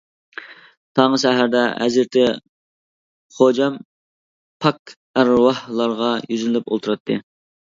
تاڭ سەھەردە ھەزرىتى خوجام پاك ئەرۋاھلارغا يۈزلىنىپ ئولتۇراتتى.